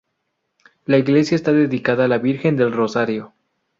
La iglesia está dedicada a la Virgen del Rosario.